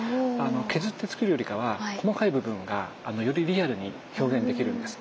削ってつくるよりかは細かい部分がよりリアルに表現できるんです。